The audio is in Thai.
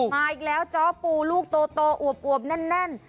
มาอีกแล้วจ้อปูลูกโตอวบแน่น